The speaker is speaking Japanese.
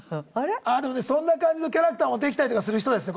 ああでもねそんな感じのキャラクターもできたりとかする人ですね